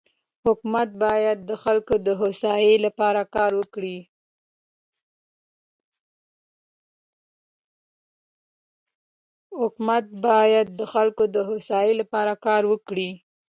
حکومت بايد د خلکو دهوسايي لپاره کار وکړي.